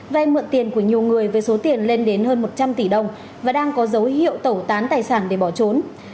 vay mượn tiền của nhiều người với số tiền lên đến hơn một trăm linh tỷ đồng và đang có dấu hiệu tẩu tán tài sản để bỏ trốn